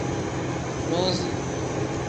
Nuzi.